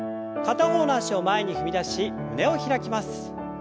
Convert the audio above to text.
片方の脚を前に踏み出し胸を開きます。